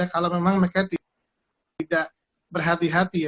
kalau memang mereka tidak berhati hati ya